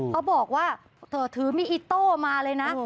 เขาบอกว่าเธอถือมีดอิโต้มาเลยนะ